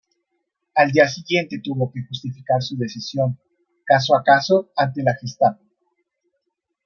Al día siguiente tuvo que justificar su decisión, caso a caso, ante la Gestapo.